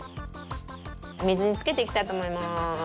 みずにつけていきたいとおもいます。